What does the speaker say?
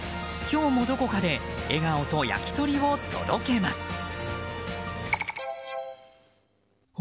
今日もどこかで笑顔と焼き鳥を届けます。